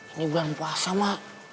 ini bulan puasa mak